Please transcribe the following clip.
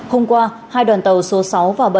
hôm qua hai đoàn tàu số sáu và bảy